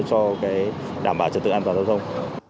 cho đảm bảo trật tự an toàn giao thông